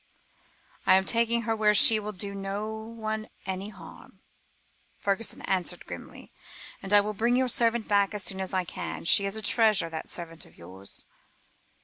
"I am taking her where she will do no one any harm," Fergusson answered grimly, "and I will bring your servant back as soon as I can. She is a treasure, that servant of yours."